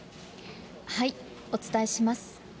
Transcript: お伝えします。